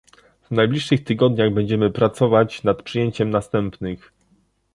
W najbliższych tygodniach będziemy pracować nad przyjęciem następnych